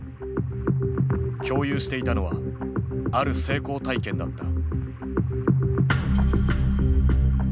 共有していたのはある成功体験だった。